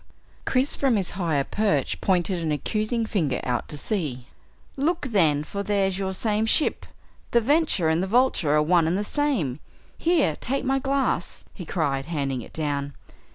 Chris from his higher perch, pointed an accusing finger out to sea. "Look then, for there's your same ship! The Venture and the Vulture are one and the same! Here take my glass," he cried handing it down.